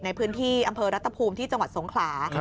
ในพื้นที่อำเภอรัตภูมิที่จังหวัดสงขลา